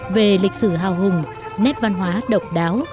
về lịch sử hào hùng nét văn hóa độc đáo mà giản dị của dân tộc